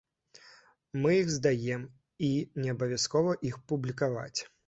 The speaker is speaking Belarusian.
Мы іх здаем, і неабавязкова іх публікаваць.